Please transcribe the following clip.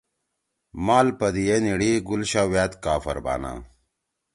مال پدیِئے نھیِڑی گل شاہ وأد کاپھر بانا